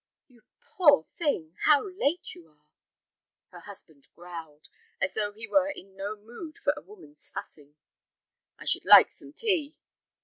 "You poor thing, how late you are!" Her husband growled, as though he were in no mood for a woman's fussing. "I should like some tea."